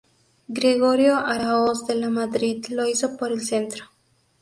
Gregorio Araoz de La Madrid lo hizo por el centro.